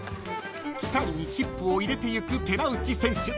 ［機械にチップを入れていく寺内選手］